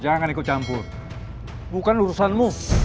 jangan ikut campur bukan urusanmu